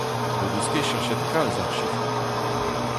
N'o deus ket cheñchet kalz ar sifroù.